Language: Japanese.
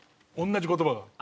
同じ言葉が。